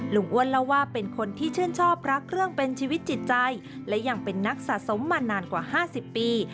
อ้วนเล่าว่าเป็นคนที่ชื่นชอบรักเครื่องเป็นชีวิตจิตใจและยังเป็นนักสะสมมานานกว่า๕๐ปี